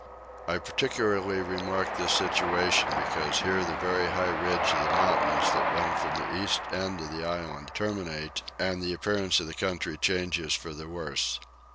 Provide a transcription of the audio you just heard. I particularly remark this situation because here the very high ridge of mountains that run from the east end of the island, terminate, and the appearance of the country changes for the worse.